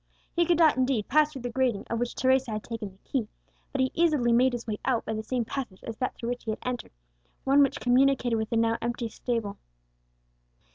He could not, indeed, pass through the grating, of which Teresa had taken the key; but he easily made his way out by the same passage as that through which he had entered, one which communicated with the now empty stable.